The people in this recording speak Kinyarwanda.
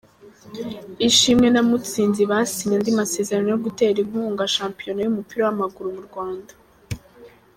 Ishimwe na mutsinzi basinye andi masezerano yo gutera inkunga shampiyona yumupira wamaguru murwanda